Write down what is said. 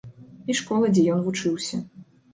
І школа, дзе ён вучыўся.